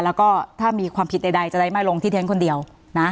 แล้วก็ถ้ามีความผิดใดจะได้ไม่ลงที่เท้นคนเดียวนะ